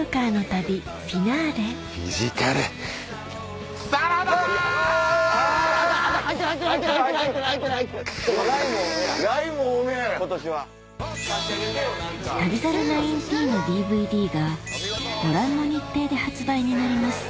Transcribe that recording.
『旅猿１９』のＤＶＤがご覧の日程で発売になります